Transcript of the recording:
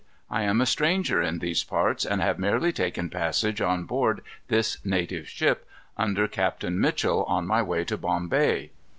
"I am a stranger in these parts, and have merely taken passage on board this native ship, under Captain Mitchel, on my way to Bombay."